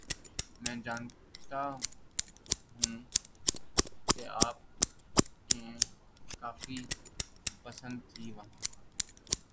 میں جانتا ہیںں کہ آپ کیں کافی پسند تھیں وہاں